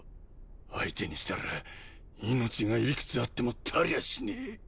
相手にしたら命が幾つあっても足りゃしねえ。